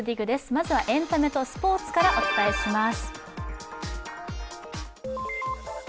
まずはエンタメとスポーツからお伝えします。